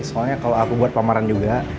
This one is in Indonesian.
soalnya kalau aku buat pameran juga